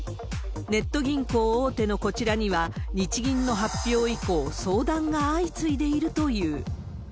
ネット銀行大手のこちらには、日銀の発表以降、相談が相次いでいるという。